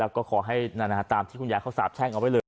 ก็ขอให้ตามที่คุณยายเขาสาบแช่งเอาไว้เลย